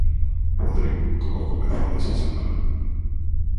Rodrigo, como comezades a semana?